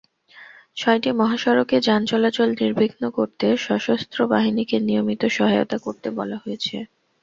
ছয়টি মহাসড়কে যান চলাচল নির্বিঘ্ন করতে সশস্ত্র বাহিনীকে নিয়মিত সহায়তা করতে বলা হয়েছে।